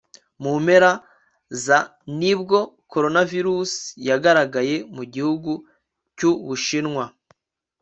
mu mpera za ni bwo coronavirus yagaragaye mu gihugu cy' u bushinwa